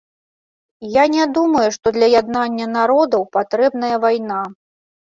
Я не думаю, што для яднання народаў патрэбная вайна.